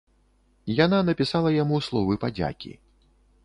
Яна напісала яму словы падзякі.